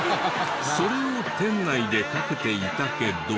それを店内でかけていたけど。